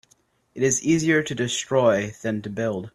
It is easier to destroy than to build.